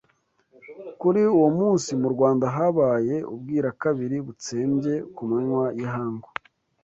Kuri uwo munsi, mu Rwanda habaye "Ubwira-kabiri" butsembye ku manywa y'ihangu